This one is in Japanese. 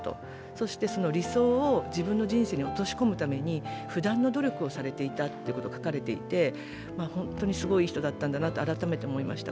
そしてその理想を自分の人生に落とし混むために不断の努力をされていたということが書かれていて本当にすごい人だったんだなと改めて思いました。